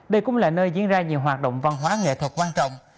đây cũng là nơi diễn ra nhiều hoạt động văn hóa nghệ thuật quan trọng